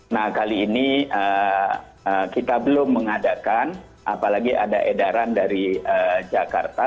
nah kali ini kita belum mengadakan apalagi ada edaran dari jakarta